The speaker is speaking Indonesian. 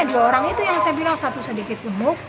dua orang itu yang saya bilang satu sedikitpun